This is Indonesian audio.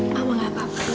mama enggak apa apa tante